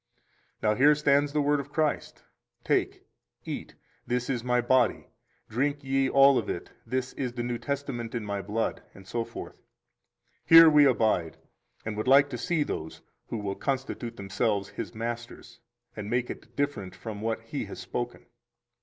13 Now here stands the Word of Christ: Take, eat; this is My body; Drink ye all of it; this is the new testament in My blood, etc. Here we abide, and would like to see those who will constitute themselves His masters, and make it different from what He has spoken.